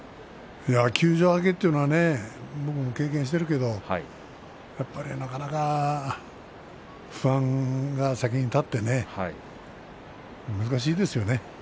休場明けっていうのはね、僕も経験しているけどなかなか不安が先に立ってね難しいですよね。